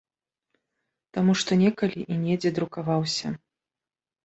Таму што некалі і недзе друкаваўся.